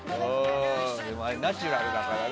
ナチュラルだからね。